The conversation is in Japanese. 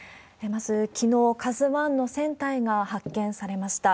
まず、きのう、ＫＡＺＵＩの船体が発見されました。